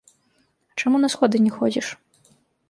Чаму на сходы не ходзіш?